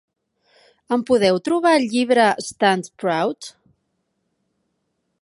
Em podeu trobar el llibre Stand Proud?